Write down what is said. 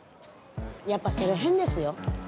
やっぱ、それ変ですよ。